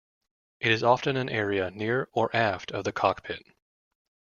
It is often an area near or aft of the cockpit.